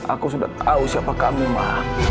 aku sudah tahu siapa kamu ma